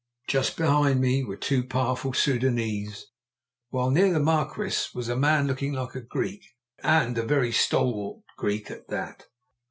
Just behind me were two powerful Soudanese, while near the Marquis was a man looking like a Greek and a very stalwart Greek at that.